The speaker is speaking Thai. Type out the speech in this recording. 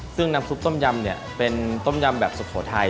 ซึ่งน้ำซุปต้มยำเนี่ยเป็นต้มยำแบบสุโขทัย